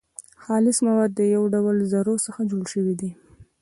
خالص مواد له يو ډول ذرو څخه جوړ سوي دي .